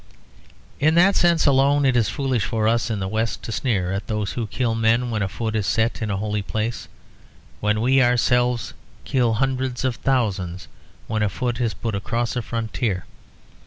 In that sense alone it is foolish for us in the West to sneer at those who kill men when a foot is set in a holy place, when we ourselves kill hundreds of thousands when a foot is put across a frontier.